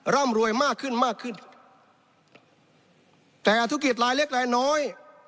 ร่ำรวยมากขึ้นมากขึ้นแต่ธุรกิจรายเล็กรายน้อย